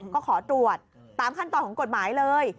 ก็ขอตรวจตามขั้นตอนของกฎหมายเลย